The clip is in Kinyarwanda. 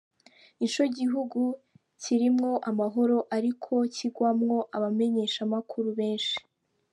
Nico gihugu kirimwo amahoro ariko kigwamwo abamenyeshamakuru benshi.